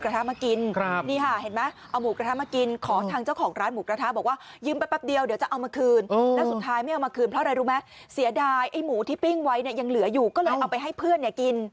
ที่ปิ้งไว้น่ะยังเหลืออยู่ก็เลยเอาไปให้เพื่อนนี่กิน